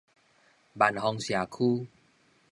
萬芳社區